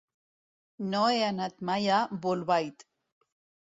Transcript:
No he anat mai a Bolbait.